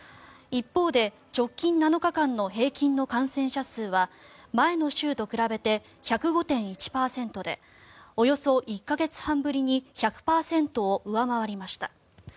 一方で直近７日間の平均の感染者数は前の週と比べて１０５．１％でおよそ１か月半ぶりに１００％を上回りました。